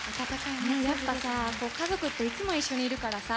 やっぱり家族っていつも一緒にいるからさ